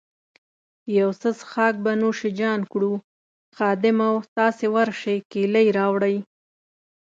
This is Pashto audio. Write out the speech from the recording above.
یو څه څیښاک به نوش جان کړو، خادمه، تاسي ورشئ کیلۍ راوړئ.